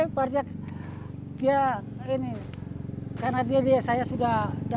dia ini karena dia lihat saya sudah